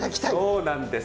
そうなんです。